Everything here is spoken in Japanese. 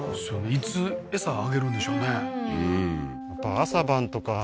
いつ餌あげるんでしょうねうん